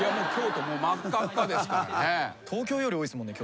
東京より多いっすもんね。